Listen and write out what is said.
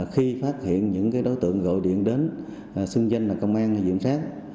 khi phát hiện những đối tượng gọi điện đến xưng danh là công an hay diễn sát